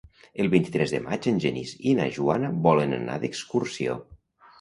El vint-i-tres de maig en Genís i na Joana volen anar d'excursió.